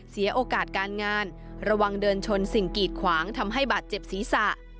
เสียโอกาสการงานระวังเดินชนสิ่งกีดขวางทำให้บาดเจ็บศีรษะ